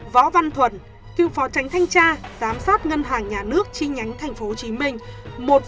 võ văn thuận cựu phó tránh thanh tra giám sát ngân hàng nhà nước chi nhánh tp hcm một tám mươi năm tỷ đồng